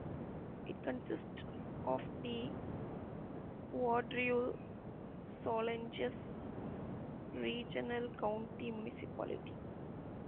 It consists of the Vaudreuil-Soulanges Regional County Municipality.